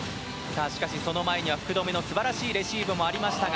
しかし、その前には福留の素晴らしいレシーブもありましたが。